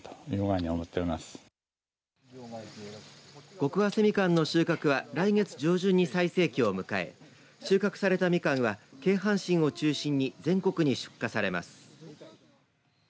極早生みかんの収穫は来月上旬に最盛期を迎え収穫されたみかんは京阪神を中心に全国に出荷されます。